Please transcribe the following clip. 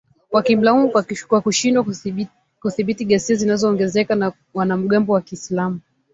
wakimlaumu kwa kushindwa kudhibiti ghasia zinazoongezeka za wanamgambo wa kiislamu